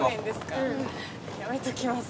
やめときます。